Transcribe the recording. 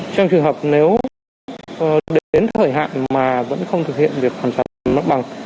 trong trường hợp nếu đến thời hạn mà vẫn không thực hiện việc hoàn toàn mất bằng